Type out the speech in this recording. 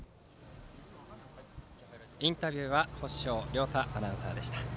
インタビューは法性亮太アナウンサーでした。